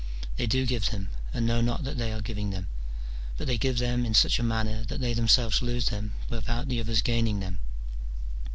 They do give them, and know not that they are giving them ; but they give them in such a manner that they themselves lose them without the others gaining them.